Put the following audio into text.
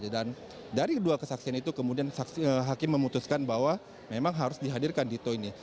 dan dari kedua kesaksian itu kemudian hakim memutuskan bahwa memang harus dihadirkan dito ini